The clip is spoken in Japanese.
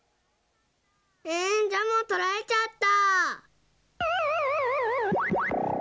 えんジャムをとられちゃった。